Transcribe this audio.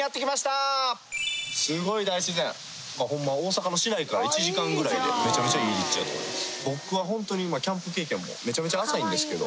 ほんま大阪の市内から１時間ぐらいでめちゃめちゃいい立地やと思います。